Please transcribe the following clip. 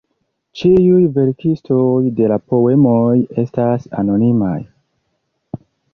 Ĉiuj verkistoj de la poemoj estas anonimaj.